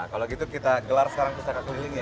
kalau gitu kita keluar sekarang pustaka kelilingnya ya